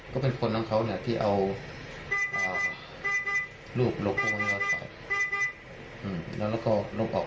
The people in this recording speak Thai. ก็เป็นคนทั้งเขาเนี่ยที่เอาลูกลกพวกเมื่อรอดไป